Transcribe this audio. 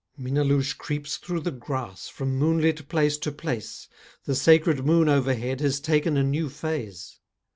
Minnaloushe creeps through the grass From moonlit place to place, The sacred moon overhead Has taken a new phase.